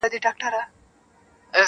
کروندې يې د کهاله څنگ ته لرلې-